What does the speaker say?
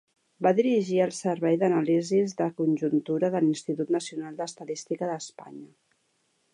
Va dirigir el servei d'anàlisis de conjuntura de l'Institut Nacional d'Estadística d'Espanya.